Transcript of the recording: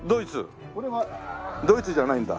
ドイツじゃないんだ？